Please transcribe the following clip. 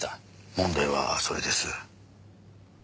問題はそれです。